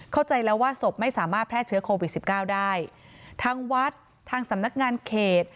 เข้าใจแล้วว่าศพไม่สามารถแพร่เชื้อโควิดสิบเก้าได้ทางวัดทางสำนักงานเขต